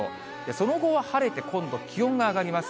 その後は晴れて、今度気温が上がります。